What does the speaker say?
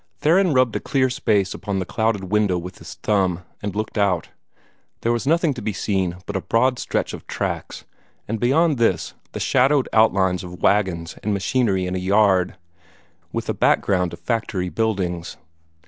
Theron rubbed a clear space upon the clouded window with his thumb, and looked out. There was nothing to be seen but a broad stretch of tracks, and beyond this the shadowed outlines of wagons and machinery in a yard, with a background of factory buildings.